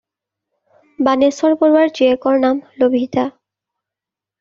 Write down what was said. বাণেশ্বৰ বৰুৱাৰ জীয়েকৰ নাম লভিতা।